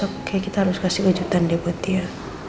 aku rasa besok kayak kita harus kasih kejutan dia buat dia